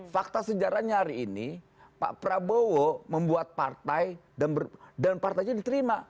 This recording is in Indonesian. fakta sejarahnya hari ini pak prabowo membuat partai dan partainya diterima